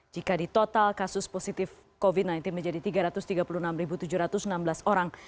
jika di total kasus positif covid sembilan belas menjadi tiga ratus tiga puluh enam tujuh ratus enam belas orang